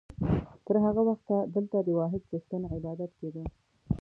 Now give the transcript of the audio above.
تر هغه وخته دلته د واحد څښتن عبادت کېده.